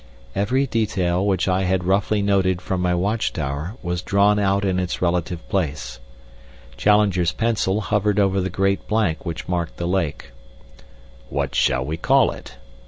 Every detail which I had roughly noted from my watch tower was drawn out in its relative place. Challenger's pencil hovered over the great blank which marked the lake. "What shall we call it?"